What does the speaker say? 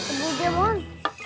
aduh diam mohon